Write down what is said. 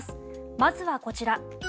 まずはこちら。